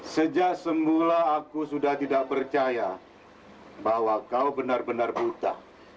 sejak semula aku sudah tidak percaya bahwa kau benar benar buta